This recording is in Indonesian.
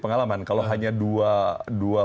pengalaman kalau hanya dua